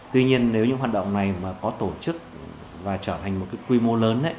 tuy nhiên nếu những hoạt động này có tổ chức và trở thành một quy mô lớn